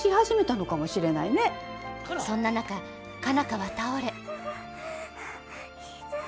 そんな中佳奈花は倒れ痛い。